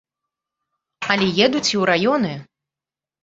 Але едуць і ў раёны.